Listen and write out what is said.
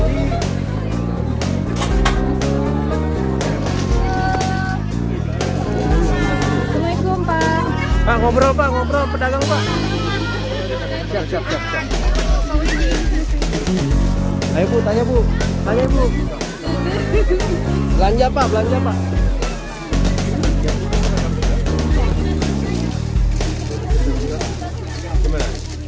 jalan jalan men